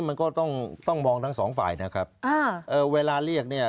มันก็ต้องต้องมองทั้งสองฝ่ายนะครับอ่าเอ่อเวลาเรียกเนี่ย